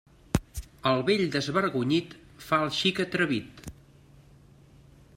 El vell desvergonyit fa el xic atrevit.